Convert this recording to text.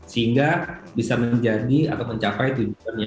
sehingga bisa menjadi atau mencapai tujuannya